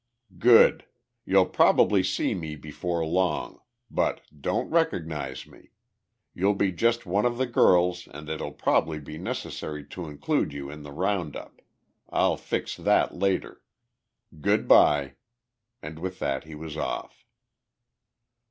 "Good! You'll probably see me before long. But don't recognize me. You'll be just one of the girls and it'll probably be necessary to include you in the round up. I'll fix that later. Good by," and with that he was off.